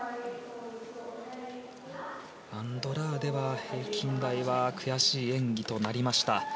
アンドラーデ、平均台は悔しい演技となりました。